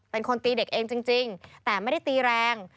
เป็นคนตีเด็กเองจริงแต่ไม่ได้ตีแรง